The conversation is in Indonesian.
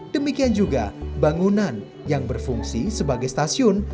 demikian juga bangunan yang berfungsi sebagai stasiun